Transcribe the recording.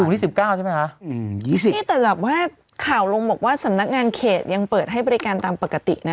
พรุ่งนี้หยุดครับ๔วันนี่แต่แบบว่าข่าวลงบอกว่าสนักงานเขตยังเปิดให้บริการตามปกตินะ